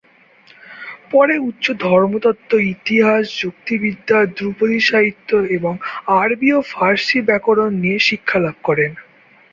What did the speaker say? পরে উচ্চ ধর্মতত্ত্ব, ইতিহাস, যুক্তিবিদ্যা, ধ্রুপদী সাহিত্য এবং আরবি ও ফার্সি ব্যাকরণ শিক্ষা লাভ করেন।